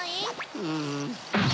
うん。